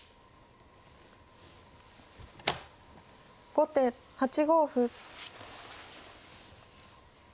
後手８五歩。